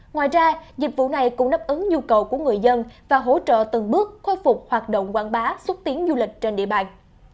ngoài ra dịch vụ này cũng đáp ứng nhu cầu của người dân và hỗ trợ từng bước khôi phục hoạt động quảng bá xúc tiến du lịch trên địa bàn